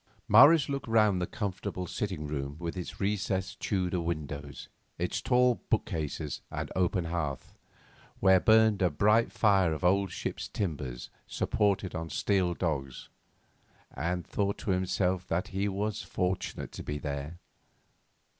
Morris looked round the comfortable sitting room with its recessed Tudor windows, its tall bookcases and open hearth, where burned a bright fire of old ship's timbers supported on steel dogs, and thought to himself that he was fortunate to be there.